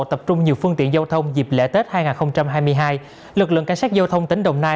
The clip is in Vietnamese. tập trung nhiều phương tiện giao thông dịp lễ tết hai nghìn hai mươi hai lực lượng cảnh sát giao thông tỉnh đồng nai